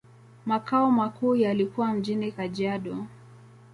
Makao makuu yalikuwa mjini Kajiado.